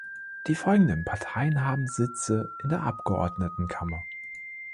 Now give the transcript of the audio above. Die folgenden Parteien haben Sitze in der Abgeordnetenkammer.